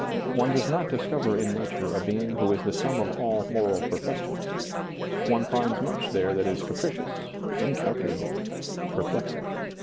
One does not discover in nature a Being who is the sum of all moral perfections. One finds much there that is capricious, incalculable, perplexing.